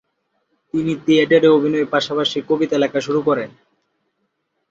তিনি থিয়েটারে অভিনয়ের পাশাপাশি কবিতা লেখা শুরু করেন।